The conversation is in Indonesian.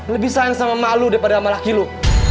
lebih sayang sama emak lu daripada sama laki lu